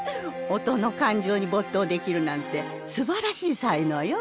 音の感情に没頭できるなんてすばらしい才能よ。